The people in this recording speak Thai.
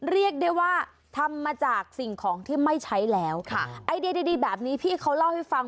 เรียกได้ว่าทำมาจากสิ่งของที่ไม่ใช้แล้วค่ะไอเดียดีดีแบบนี้พี่เขาเล่าให้ฟัง